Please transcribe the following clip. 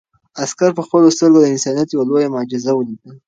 عسکر په خپلو سترګو د انسانیت یو لویه معجزه ولیده.